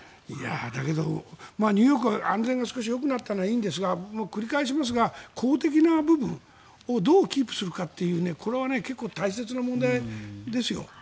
だけど、ニューヨークは安全が少しよくなったのはいいんですが繰り返しますが、公的な部分をどうキープするかというこれは結構大切な問題ですよ。